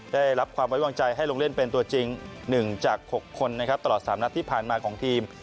ได้รับความไว้วางใจให้ลงเล่นเป็นตัวจริง๑จาก๖คนนะครับตลอด๓นัดที่ผ่านมาของทีม